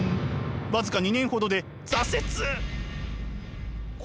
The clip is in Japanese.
僅か２年ほどで挫折！